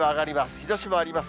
日ざしもあります。